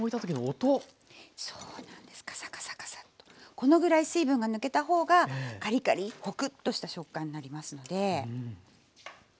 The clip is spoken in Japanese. このぐらい水分が抜けた方がカリカリッホクッとした食感になりますので。